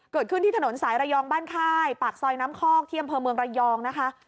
เกิดขึ้นที่ถนนสายระยองบ้านค่ายปากซอยน้ำคอกที่อำเภอเมืองระยองนะคะ